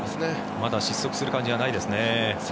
まだ失速する感じはないですね。